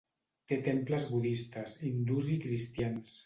Té temples budistes, hindús i cristians.